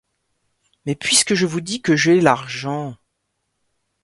Mais puisque je vous dis que j’ai l’argent !